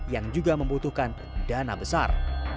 yang juga membutuhkan dana besar